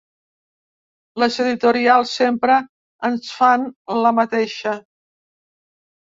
Les editorials sempre ens fan la mateixa.